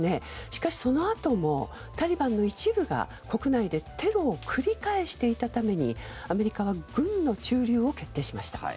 しかし、そのあともタリバンの一部が国内でテロを繰り返していたためにアメリカは軍の駐留を決定しました。